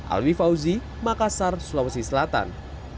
alwi fauzi makassar sulawesi selatan